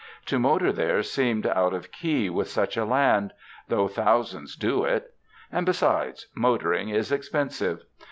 To motor there seemed out of key with such a land, though thousands do it; and, besides, motoring is expensive.